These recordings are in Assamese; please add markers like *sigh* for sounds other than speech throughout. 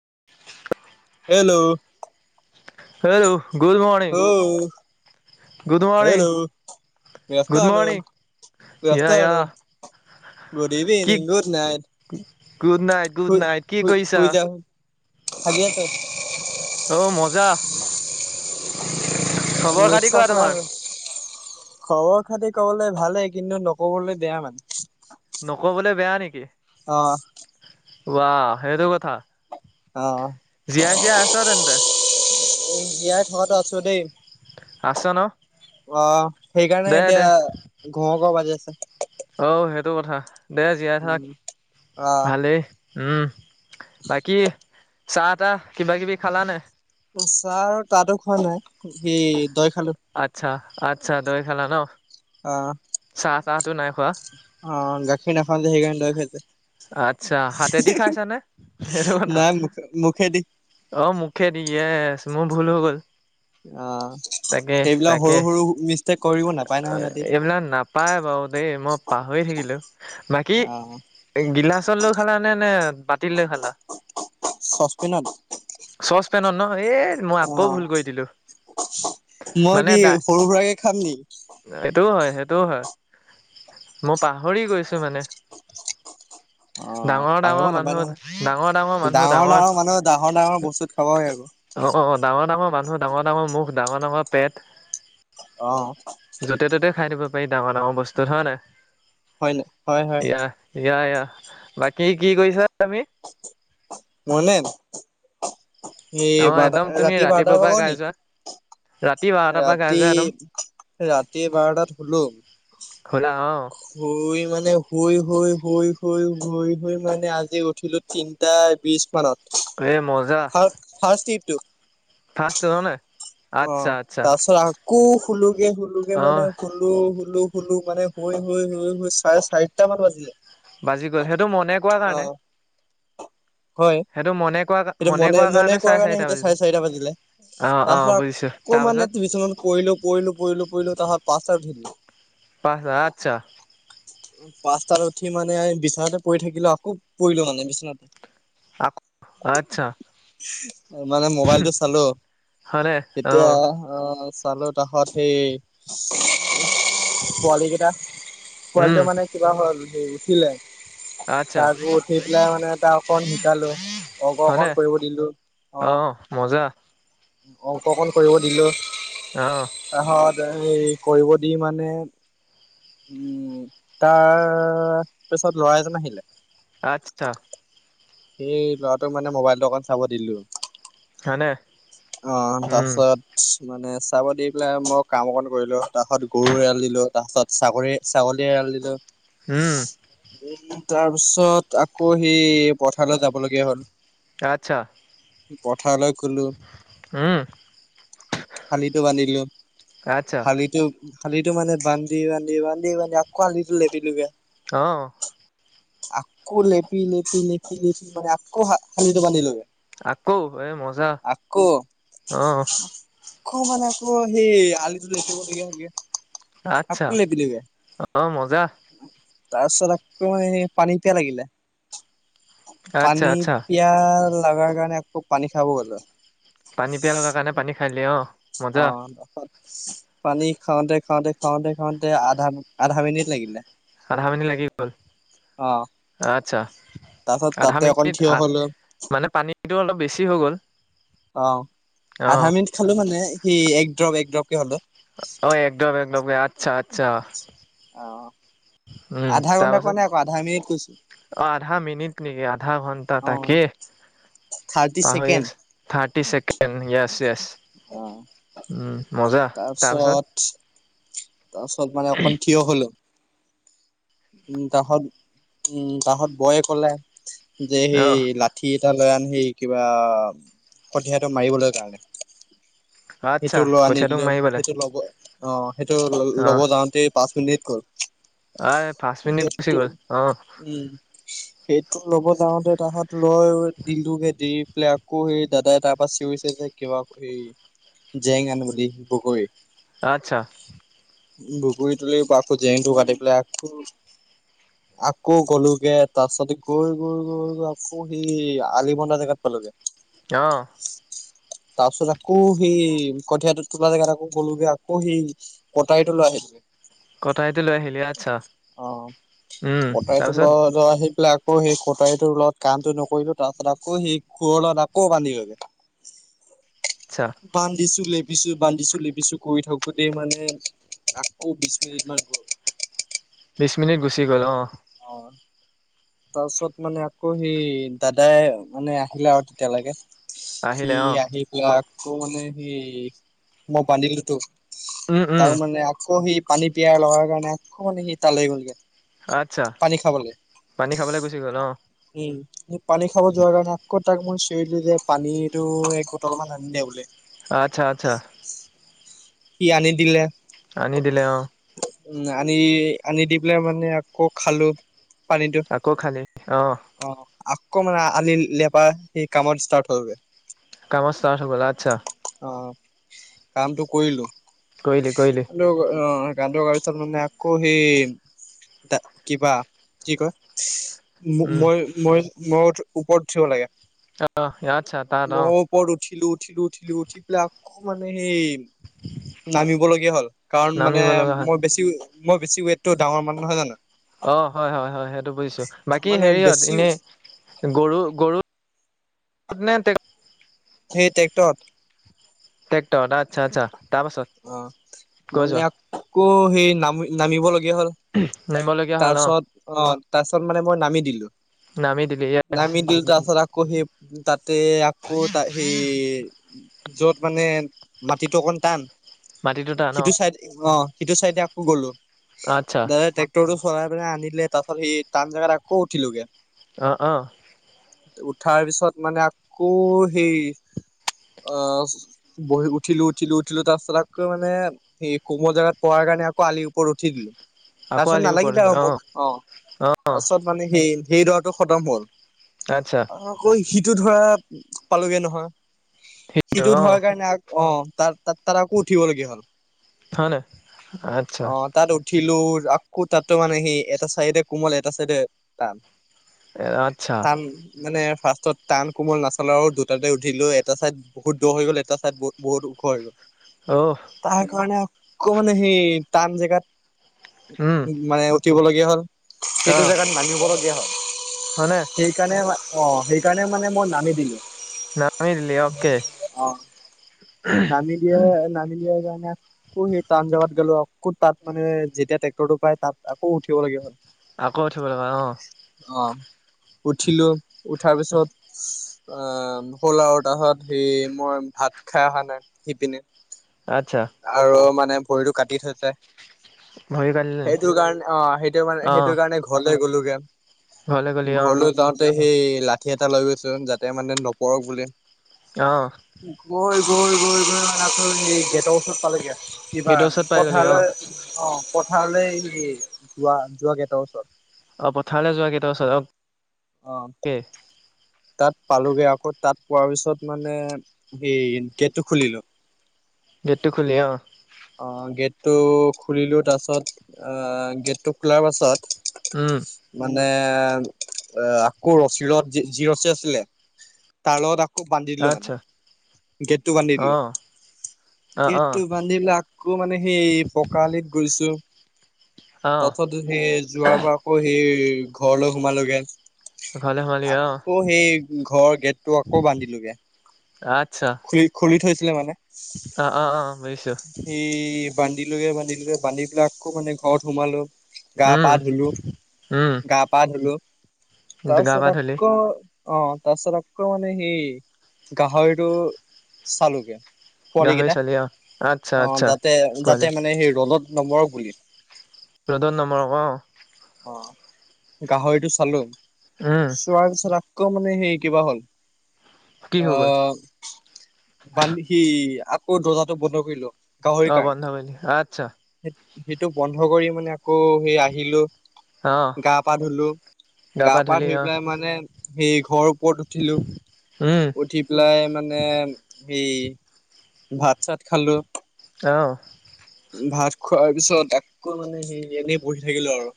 *unintelligible* Hello *unintelligible* hello good morning *unintelligible* hello *unintelligible* আস্ত আন *unintelligible* গুড আফটাৰনোন *unintelligible* গুড কি evening good night good night, good night, কি *unintelligible* কৰিছা? শুই যা হাজিআছে *unintelligible* অ মজা খবৰ খাতি নিশ্চয় কোৱা চলা তোমাৰ *unintelligible* খবৰ খাতি কবলৈ ভালেই কিন্তু নকবলৈ বেয়া মানে *unintelligible* নকবলৈ বেয়া নেকি? *unintelligible* অ *unintelligible* *unintelligible* ৱাহ সেইটো কথা অ জিয়াই-চিয়াই আছ নাই তেন্তে *unintelligible* *unintelligible* থকাতো আছো দেই আছ ন? অ সেইকাৰণে দে দে, এতিয়া ঘ *unintelligible* ঘ বাজি আছে অ সেইটো কথা দেই জীয়াই থাক ্ অ *unintelligible* ভালেই উম বাকী চাহ-তাহ কিবা-কিবি খালানে *unintelligible* চাহ-তাহটো খোৱা নাই কি ত‌ই *unintelligible* আচ্ছা-আচ্ছা দৈ খালা ন *unintelligible* অ চাহ তাহটো নাই খোৱা? *inaudible* অ গাখীৰ নাখাওঁ যে সেইকাৰণে খাইছ *unintelligible* আচ্ছা হাতেদি খাইছানে *unintelligible* বনা নাই মুখ মুখেদি অ মুখে দিয়ে *unintelligible* মোৰ ভুল হৈ গ'ল *unintelligible* অ' তাকে সেইবিলাক তাকে সৰু-সৰু *unintelligible* *unintelligible* এইবিলাক নাপায় বাৰু দেই মই পাহৰি থাকিলো বাকী অ', এই গিলাচ *unintelligible* লৈ খালা নে, নে বাতি লৈ খালা চচপেনত চচপেনত ন *unintelligible* এ মই আকৌ অ', ভুল কৰি দিলো মই মানে কি দা সৰু সুৰাকে খাম নি? *unintelligible* এইটোও হয় *unintelligible* সেইটো হয় মই পাহৰি গৈছো মানে *unintelligible* অ', পাৰিব ডাঙৰ-ডাঙৰ নাপায় মানুহ, নহয়। ডাঙৰ-ডাঙৰ মানুহ ডাঙৰ মানুহ ডাঙৰ ডাঙৰ বস্তুত খাবই আকৌ *unintelligible* অ' ডাঙৰ-ডাঙৰ মানুহ, ডাঙৰ-ডাঙৰ মুখ, ডাঙৰ-ডাঙৰ পেট *unintelligible* অ', য'তে ত'তে খাই দিব পাৰি। ডাঙৰ ডাঙৰ বস্তু হয় নহয়। হয় ন হয় হয় ইয়া ইয়া ইয়া বাকী কি কৰিছা তুমি মোৰ স অ বাৰটা একদম তুমি ৰাতি বাৰটা ৰাতিপুৱাৰ পৰা ভাগৰ গাই নি যোৱা ৰাতি বাৰটাৰ পৰা গাই ৰাতি যোৱা একদম ৰাতি বাৰটাত শুলো। খোলা অ শুই মানে শুই শুই শুই। শুই শুই শুই মানে আজি উঠিলো। তিনটা বিশ মানত এই মজা। লো ফাৰ্ষ্টটো হয় নহয়? অ' তাৰপিছত আকৌ শুলোগে শুলোগে অ মানে শুলো শুলো শুলো মানে শুই শুই শুই শুই চাৰে চাৰিটা মান বাজিলে। বাজি গ'ল সেইটো মনে কোৱা অ কাৰণে হয় সেইটো মনে কোৱা। সেইটো মনে মনে কোৱা কাৰণে সেইটো চাৰে চাৰিটা বাজিলে। অ তাৰ অ পাছত বুজিছো আকৌ মান তাৰপিছত টিওছনত কৰিলো পৰিলো পৰিলো পৰিলো তাৰ পাছত পাঁচটা শুলো। আচ্ছা পাঁচটাত উঠি মানে বিচনাতে পৰি থাকিলো। আকৌ পৰিলো মানে বিচনাতে। আ আচ্ছা মানে মোবাইলটো চালো। হয়নে অ তেতিয়া আহ চালো। তাৰ পিছত সেই পোৱালী কেইটা উম পোৱালীটো মানে কিবা হ'ল উঠিলে। আচ্ছা তাকো উঠি পেলাই মানে তাক অকণ শিকালো। অংক অকণ হয়নে কৰিব দিলো অ অংক অকণ কৰিব দিলো। আহ তাহত এই কৰিব দি মানে। উম তাৰ পিছত ল'ৰা এজন আহিলে। আচ্ছা। সেই ল'ৰাটোক মানে মোবাইলটো অকণ চাব দিলো। হয়নে অ' তাৰ উম পিছত মানে চাব দি পেলাই মই কাম অকন কৰিলো তাৰপাছত গৰু এৰাল দিলো। তাৰপাছত ছাগলী ছাগলী দিলো। উম উ তাৰপিছত আকৌ সি পথাৰালৈ যাব লগীয়া হ'ল। আচ্ছা *unintelligible* উম শালিটো বান্ধিলো আচ্ছা শালিটো শালিটো মানে বান্ধি বান্ধি বান্ধি বান্ধি আকৌ শালিটো লেটিলোগে আহ আকো লেপি লেপি লেপি লেপি মানে আকৌ খালিটো পানী লৈ আকৌ এ মজা অ আ মানে আকৌ সেই আলিটো দিবলগীয়া হয়াগে আচ্ছা অ মজা তাৰপিছত আকৌ এই পানী পিয়াহ লাগিলে আচ্ছা পানী আচ্ছা পিয়াহ লগাৰ কাৰণে এক খোব পানী খাব গ'লো পানী পিয়া লগা কাৰণে পানী খাই দিলি অহ অ পানী খাওঁতে খাওঁতে খাওঁতে খাওঁতে আধা আধা মিনিট লাগিলে আধ়া মিনিট লাগি গ'ল অ আচ্ছা। তাৰপাছত আধা তাতে অকণ মিনিট থিয় হলো মানে পানীতটো অলপ বেছি হৈ গ'ল। অ আধা অ', মিনিট খালো মানে সি এক ড্ৰপ এক ড্ৰপকে হলো অ' একদম, একদম আচ্ছা, আচ্ছা অ। উম' আধা ঘন্টা কোৱা নাই আকৌ আধা মিনিট কৈছো তাৰপাছত অ' আধা মিনিট নেকি? আধা ঘন্টা অ তাকে থাৰ্টি পাহৰি, ছেকেণ্ড থাৰ্টি ছেকেণ্ড অ য়েছ-য়েছ। মজা তাৰপিছত। তাৰপাছত মানে অকণ থিয় হলো। উম, তাহত উম তাহত বয়ে কলে। যে, সেই অ', লাঠি এটা লৈ আন। সেই কিবা কঠীয়াটো মাৰিবলৈ কাৰণে সেইটো আচ্ছা লৈ আনি কঠীয়াটোক দিলো, মাৰিবলে সেইটো লব অ'সেইটো ল'ব অ', যাওঁতে পাঁচ মিনিট গ'ল। আই পাঁচ মিনিট গুচি সেইটো গ'ল অ', উম। সেইটো ল'ব যাওঁতে তাহত লয় দিলোগে দি পেলাই আকৌ হে দাদাই তাৰ পৰা চিঞৰিছে যে কিবা এই জেং আন বুলি বগৰী। আচ্ছা। বগৰী তুলি আকৌ জেংটো কাটি পেলাই আ আকৌ গ'লোগে তাৰ পিছতে গৈ, গৈ, গৈ, গৈ আকৌ সি আলিবন্ন্দা জেগাত পালোগে। অ', তাৰপিছত আকৌ সেই কঠীয়াটো তোলা জেগাত আকৌ গলাগৈ। আকৌ সি কটাৰীটো লৈ আহিলোগৈ। কটাৰী তো লৈ আহিলি ইয়াত। অ' কটাৰী তো তাৰপিছত লৈ সেইবিলাক আকৌ সেই কটাৰীটোৰ লগত কামটো নকৰিলো তাৰপাছত আকৌ সেই ঘঁ লগত আকৌ *inaudible* বান্ধিছো, লেভিছো, বান্ধিছো লেবিছো, কৰি থাকোতে মানে আকৌ বিশ মিনিটমান গল। বিশ মিনিট গুচি গ'ল অ। অ তাৰপিছত মানে আকৌ সেই দাদাই মানে আহিলে আৰু তেতিয়ালৈকে সি আহিলে অ', আহি পেলাই আকৌ মানে সি মই বান্ধিলো তো উম উম তাৰ মানে আকৌ সি পানী পিয়াৰ লগাৰ কাৰণে আকৌ মানে সি তালৈ গ'লগে। আচ্ছা, পানী খাবলে পানী খাবলৈ গুচি গ'ল ন? উম, পানী খাব যোৱাৰ কাৰণে আকৌ তাক মই চিঞৰিলো যে, পানীতটো এক বটল মান আনিলে বোলে। আচ্ছা, আচ্ছা। সি আনি দিলে। আনি দিলে অ। উম' আনি আনি দি পেলাই মানে আকৌ খালো। পানীটো। আকৌ খালি অ' আহ অকমানে আনি লেপা সি কামত ষ্টাৰ্ট হৈ গল। কামৰ ষ্টাৰ্ট হৈ গল আচ্ছা। অ'কামটো কৰিলো। কৰিলি কৰিলি অ কামটো কৰা পিছত আকৌ হেৰি মানে আকৌ সেই কিবা কি কয় উম মই, মই মই ওপৰত উঠিব লাগে। অ' আচ্ছা তাত অ' মই ওপৰত উঠিলো উঠিলো, উঠিলো উঠি পেলাই মানে সেই নামিবলগীয়া হ'ল। কাৰণ মানে নামিব লগা হয় মই বেছি মই বেছি ৱেতটো ডাঙৰ মানে নহয় জানো। অ' হয়, হয় হয় সেইটো বুজিছো। বাকী মানে হেৰিয়ত বেছি এনেই গৰু, গৰু নে সেই ট্ৰেক্টৰত। টেকটৰ আচ্ছা, আচ্ছা। তাৰপাছত অ' কৈ মানে যোৱা আকৌ সেই নামি নামিব লাগে। নামিবলগীয়া হ'ল তাৰপিছত অ তাৰপিছত মানে মই নামি দিলো নামি দিলি য়েছ নামি দিলোঁ তাৰ পাছত আকৌ সেই তাতে আকৌ ত সেই যত মানে মাটিটো অকন টান মাটিটো টান সিটো অ' চাইডে অ সিটো চাইডে আকৌ গ'লো আচ্ছা দাদা ট্ৰেক্টৰটো চৰাই পেলাই আনিলে তাৰপাছত সেই টান জেগাত আকৌ উঠিলোগে অঁ অঁ উঠাৰ পিছত মানে আকৌ সেই অ বহি উঠিলোঁ উঠিলোঁ উঠিলোঁ তাৰ পাছত কৈ মানে স কমল জোগাত পৰা কাৰণে আকৌ আলিৰ ওপৰত উঠি দিলোঁ। আকৌ তাৰপিছত আলি ওপৰত নালাগিলে উঠি। আৰু মোক অ অ' তাৰপিছত মানে সেই সেই ধৰাটো খতম হ'ল আচ্ছা আৰু আকৌ সিটো ধৰা পালোগে নহয় সেইটো সেইটোত অ' ধোৱাৰ কাৰণে অ তাত তাত তাৰ উঠিবলগীয়া হল হয় নাই আচ্ছা আহ তাত উ উঠিলো আকৌ তাতো মানে সেই এটা চাইডে কোমল এটা চাইডে টান আচ্ছা তান মানে ফাৰ্ষ্টত টান কোমল নাচালা আৰু দুটাতে উঠিলো এটা চাইদ বহুত দ হৈ গ'ল এটা চাইদ বহুত ওখ হৈ গ'ল। অহ তাৰ কাৰণে আকৌ মানে সেই টান জেগাত উম উ মানে উঠিব লগীয়া হ'ল অহ সেইটো জোগাত মানিবলগীয়া হল। হয়নে সেইকাৰণে অ সেইকাৰণে মানে মই নামি দিলো নামি দিলি অকে অ নামি দিয়ে ম কাৰণে আকৌ সেই টান জেগাত গ'লো আকৌ তাত মানে যেতিয়া ট্ৰেক্টৰটো প তাত আকৌ উঠিব লগীয়া হ'ল। আকৌ উঠিব লগা অঁ অ উঠিলো উঠাৰ পিছত অ শ'ল আৰু তাহত সেই মই ভাত খাই অহা নাই সিপিনে আচ্ছা আৰু মানে ভৰিতটো কাটি থৈছে ভৰি কালিলি সেইটো কাৰণে অ সেইটো কাৰে অ সেইটোৰ কাৰণে ঘৰ গলোগে ঘৰলৈ গ'লি অ ঘৰলৈ যাওঁতে সেই লাঠি এটা লৈ গৈছো যাতে মানে নপৰক বুলি অঁ গৈ গৈ গৈ স গেটৰ ওচৰত পালেগে কিবা গেটৰ ওচৰত পাই গ'লি অ পথাৰলৈ অ পথাৰলৈ হেৰি যোৱা যোৱা কেইটা ওচৰত অ পথাৰলৈ যোৱা কেইটাৰ পাছত অ আহ তাত পালোগে আকৌ তাত পোৱাৰ পিছত মানে হ গেটটো খুলিলোঁ গেটো খুুলীয়া অ গেটটো খুলিলোঁ তাৰ পাছত অ গেটটো খোলাৰ উম পাছত। মানে এ আকৌ ৰছীৰত যি ৰছী আছিলে তাৰ লগত আকৌ বান্ধি দিলোঁ মানে, আচ্ছা গেটটো বান্ধি অ দিলোঁ। অ অ গেটটো বান্ধি পাই আকৌ মানে সেই পকালিত গৈ অ তাত সেই যোৱাৰ পৰা আকৌ সেই ঘৰলৈ সোমালোগে ঘৰলৈ সোমালি অ আকৌ সেই ঘৰ গেটটো আকৌ বান্ধিলোগে আচ্ছা খুলি খুলি থৈছিলে মানে অ অ অ বুজিছো সেই। বান্ধিলোগে বান্ধিলোগে বান্ধিপেলাই আকৌ মানে ঘৰত সোমালো। গা পা উম ধুলো, উম গা পা ধুলো। গা পা তাৰপিছত ধুলি আকৌ অ তাৰপিছত আকৌ মানে সেই গাহৰি টো চালুগে পোৱালি গাহৰি কেইটা, চালি অ আচ্ছা অ আচ্ছা যাতে পোৱালি যাতে মানে সেই ৰ'দত নমৰক বুলি। ৰ'দত নমৰক অ অ গাহৰিটো চালোঁ। উম চোৱাৰ পিছত আ আকৌ মানে হেই কিবা হ'ল কি হৈ গ'ল আহ বান্ধি সি আকৌ দৰ্জাটো বন্ধ কৰিলো। গাহৰিৰ অ কাৰণে বন্ধ কৰিলি আচ্ছা সেইটো বন্ধ কৰি মানে আকৌ সেই আহিলো অ গা পা ধুলো গা পা ধুই পেলাই মানে সেই ঘৰ ওপৰত উঠিলো। উম উঠি পেলাই মানে হেই ভাত চাত খালো অঁ ভাত খোৱাৰ পিছত আকৌ মানে সে এনেই বঢ়ি থাকিলো আৰু।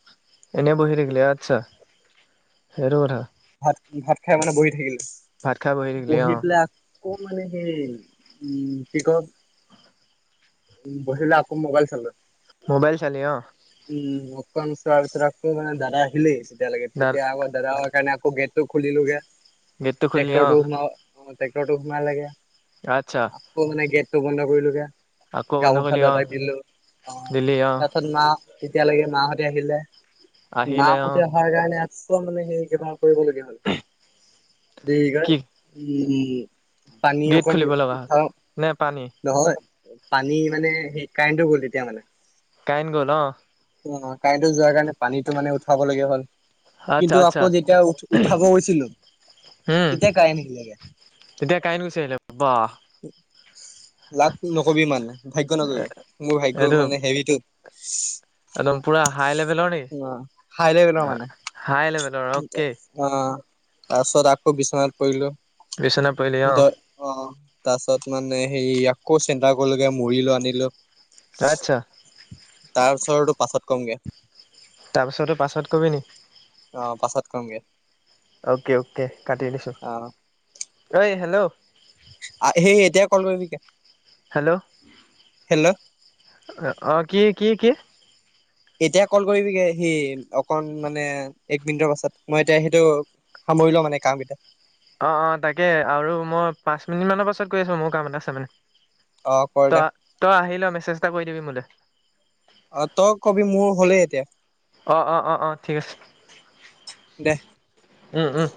এনেই বহি থাকিলি আচ্ছা সেইটো কথা ভাত ভাত খাই মানে বহি থাকিলো। ভাত খাই বহি থাকিলি অ ক মানে সেই উম পিকপ উ বচিল আকৌ মোবাইল চল মোবাইল চালি অ চোৱাৰ পিছো মানে দাদা আহিলেই, তেতিয়ালৈকে দা তেতিয়া আকৌ দাদা সেই কাৰণে আকৌ গেট টো খুলিলোগে গেটটো খুলিলি অ টেক্টৰটো সোম অ ট্ৰেক্টৰটো সোমালগে। আচ্ছা আকৌ মানে গেটটো বন্ধ কৰিলোগে। আকৌ বন্ধ গামোচা কৰিলি অ দাদা দিলো। অ দিলি অ তাৰছত না তেতিয়ালৈকে মাহতে আহিলে। আহিলে অ মাহতে অহাৰ কাৰণে চোৱা মানে সেই কেইট কৰিবলগীয়া হল দঘ কি *unintelligible* পানী গেট অকণ খুলিব লগা হ'ল উঠাও নে পানী নহয় পানী মানে সেই কাৰেণ্টটো গ'ল তেতিয়া মানে। কাইন গ'ল অ অ কাৰেণ্টো যোৱাৰ কাৰণে পানীতো মানে উঠাবলগীয়া হ'ল আচ্ছা কিন্তু আচ্ছা আকৌ যেতিয়া উ উঠাব গৈছিলো উম তেতিয়া কাৰেণ্ট আহিলেগে তেতিয়া কাইন গুচি আহিলে বা লাভ নকবি মানে ভাগ্য নকৰিবি মোৰ ভাগ্য এইটো মানে হেৰিটো একদম পুৰা হাই লেভেলৰ নেকি অ হাই লেভেলৰ মানে হাই লেভেলৰ অ'কে আহ তাৰ পিছত আকৌ বিচনাত পৰিলো বিছনা পইলি‌অ তাৰ পিছত মানে সেৰি আকৌ চেন্তা গলোগে মূৰি লৈ আনিলো। আচ্ছা তাৰ ওছৰো পাছত কমগে তাৰপিছতো পাছত কবি নি আহ পাছত কমগে অ'কে অ'কে কাটি দিছোঁ। ঐ হেল্ল' আহ সেই এতিয়া কল কৰিবি কে হেল্ল' হেল্ল' অ কি কি কি এতিয়া কল কৰিবিগে সি অকন মানে এক মিনিটৰ পাছত মই এতিয়া সেইটো সামৰিলও মানে কাম কেইটা অ অ তাকে আৰু মই পাঁচ মিনিট মানৰ পাছত গৈ আছো মোৰ কাম এটা আছে মানে, অ কৰ দে তই তই আহিল মেছেজ এটা কৰি দিবি মোলৈ অ তই কবি মোৰ হ'লেই এতিয়া অ অ অ অ ঠিক আছে দে উম উম